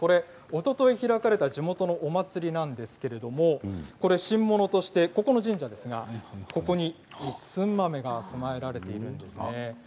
おととい開かれた地元のお祭りなんですけれど新物としてここの神社ですが一寸豆が供えられているんですね。